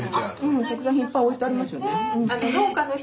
うん特産品いっぱい置いてありますよね。